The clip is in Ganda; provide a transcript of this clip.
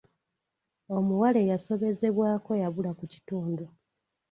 Omuwala eyasobezebwako yabula ku kitundu.